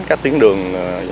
các tuyến đường